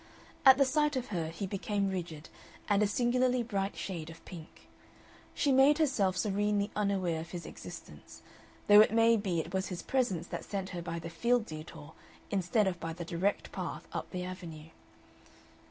At the sight of her he became rigid and a singularly bright shade of pink. She made herself serenely unaware of his existence, though it may be it was his presence that sent her by the field detour instead of by the direct path up the Avenue.